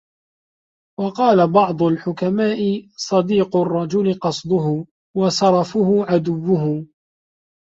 وَقَالَ بَعْضُ الْحُكَمَاءِ صِدِّيقُ الرَّجُلِ قَصْدُهُ ، وَسَرَفُهُ عَدُوُّهُ